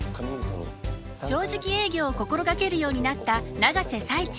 正直営業を心掛けるようになった永瀬財地。